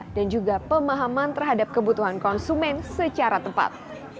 dan juga pemahaman terhadap kebutuhan konsumen secara tepat